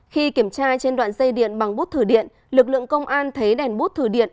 khi kiểm tra trên đoạn dây điện bằng bút thử điện lực lượng công an thấy đèn bút thử điện